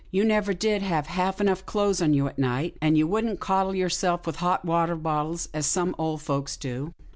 " You never did have half enough clothes on you at night, and you wouldn't coddle yourself with hot water bottles, as some old folks do."